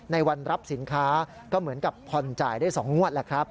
ในวันรับสินค้าก็เหมือนกับผ่อนจ่ายได้๒งวดแล้วครับ